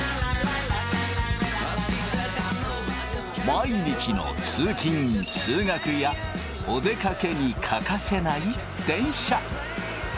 毎日の通勤・通学やお出かけに欠かせない電車。